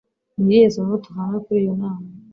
Ni irihe somo tuvana kuri iyo nama?